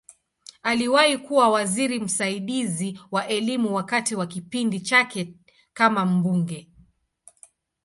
Aliwahi kuwa waziri msaidizi wa Elimu wakati wa kipindi chake kama mbunge.